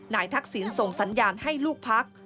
ทักษิณส่งสัญญาณให้ลูกพัก